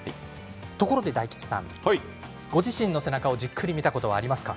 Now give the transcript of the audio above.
ところで大吉さん、ご自身の背中をじっくり見たことありますか？